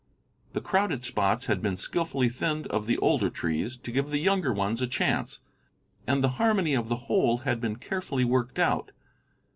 The crowded spots had been skilfully thinned of the older trees to give the younger ones a chance, and the harmony of the whole had been carefully worked out.